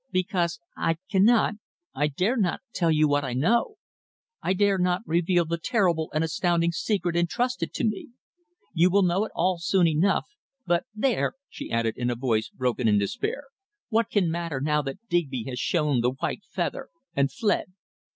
"Because I cannot I dare not tell you what I know. I dare not reveal the terrible and astounding secret entrusted to me. You will know it all soon enough. But there," she added in a voice broken in despair, "what can matter now that Digby has shown the white feather and fled."